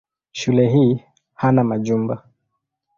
Shule hii hana majumba.